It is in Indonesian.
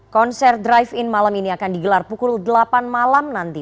konser drive in malam ini akan digelar pukul delapan malam nanti